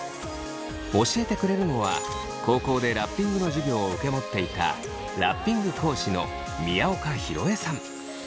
教えてくれるのは高校でラッピングの授業を受け持っていたラッピング講師の宮岡宏会さん。